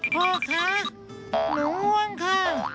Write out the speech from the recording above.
พ่อคะหนูง่วงค่ะ